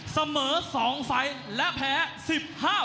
เสมอ๒ไฟล์และแพ้๑๕ไฟล